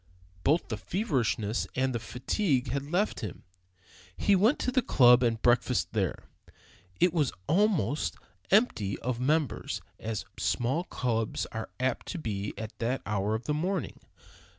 Both the feverishness and the fatigue had left him. He went to the club and breakfasted there. It was almost empty of members, as small clubs are apt to be at that hour of the morning.